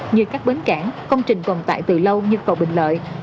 như các bến cảng công trình tồn tại từ lâu như cầu bình lợi